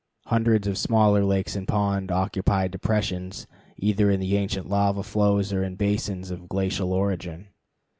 Hundreds of smaller lakes and ponds occupy depressions either in the ancient lava flows or in basins of glacial origin.